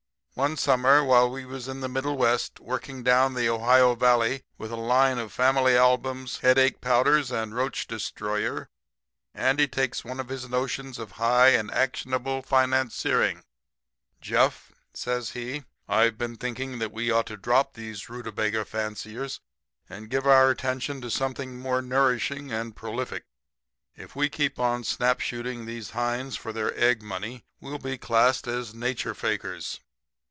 "One summer while we was in the middle West, working down the Ohio valley with a line of family albums, headache powders and roach destroyer, Andy takes one of his notions of high and actionable financiering. "'Jeff,' says he, 'I've been thinking that we ought to drop these rutabaga fanciers and give our attention to something more nourishing and prolific. If we keep on snapshooting these hinds for their egg money we'll be classed as nature fakers.